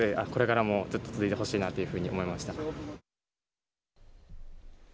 これからもずっと続いてほしいなというふうに思いました。